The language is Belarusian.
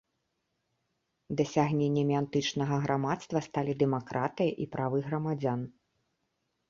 Дасягненнямі антычнага грамадства сталі дэмакратыя і правы грамадзян.